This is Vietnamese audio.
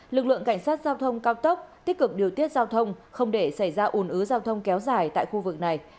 lực lượng cảnh sát giao thông cao tốc tích cực điều tiết giao thông không để xảy ra ủn ứ giao thông kéo dài tại khu vực này